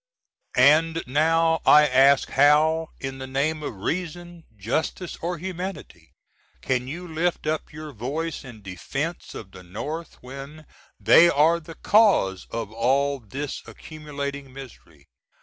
And now I ask how, in the name of Reason, Justice, or Humanity, can you lift up your voice in defence of the North when they are the cause of all this accumulating misery?